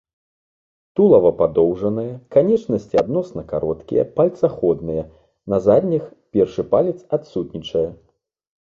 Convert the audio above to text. Тулава падоўжанае, канечнасці адносна кароткія, пальцаходныя, на задніх першы палец адсутнічае.